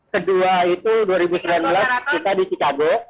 kedua itu dua ribu sembilan belas kita di chicago